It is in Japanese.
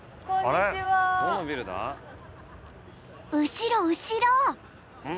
後ろ後ろ！